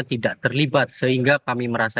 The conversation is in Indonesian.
tidak terlibat sehingga kami merasa